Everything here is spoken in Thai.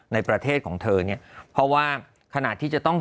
ในประเทศของเธอนี้